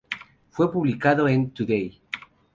Fue publicado en "Today!